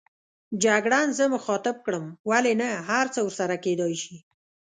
جګړن زه مخاطب کړم: ولې نه، هرڅه ورسره کېدای شي.